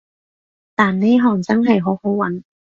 但呢行真係好好搵